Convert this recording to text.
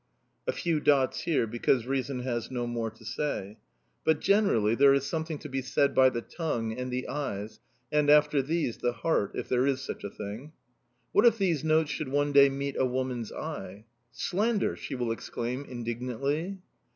A few dots here, because reason has no more to say. But, generally, there is something to be said by the tongue, and the eyes, and, after these, the heart if there is such a thing. What if these notes should one day meet a woman's eye? "Slander!" she will exclaim indignantly.